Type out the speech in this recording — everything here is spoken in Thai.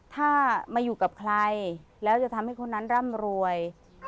ถ้ามาอยู่กับใครแล้วจะทำให้คนนั้นร่ำรวย